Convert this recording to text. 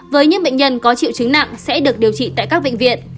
với những bệnh nhân có triệu chứng nặng sẽ được điều trị tại các bệnh viện